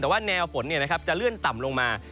แต่ว่าแนวฝนจะเลื่อนต่ำลงมา